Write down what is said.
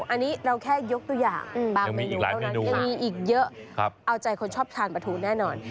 อันนี้เราแค่ยกตัวอย่างบางเมนูเท่านั้นยังมีอีกเยอะเอาใจคนชอบทานปลาทูแน่นอน